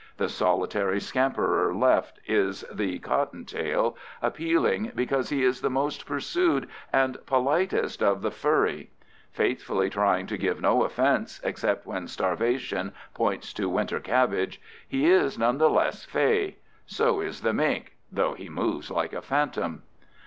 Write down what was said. The solitary scamperer left is the cottontail, appealing because he is the most pursued and politest of the furry; faithfully trying to give no offense, except when starvation points to winter cabbage, he is none the less fey. So is the mink, though he moves like a phantom.